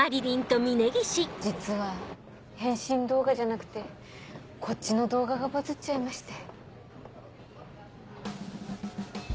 実は変身動画じゃなくてこっちの動画がバズっちゃいまして。